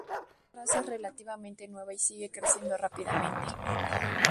Esta raza es relativamente nueva y sigue creciendo rápidamente.